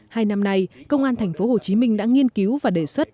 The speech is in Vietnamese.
hai năm nay công an tp hcm đã nghiên cứu và đề xuất